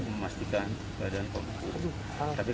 memastikan keadaan komputer